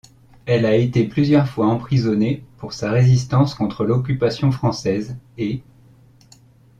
Elle a été plusieurs fois emprisonnée pour sa résistance contre l’occupation française et.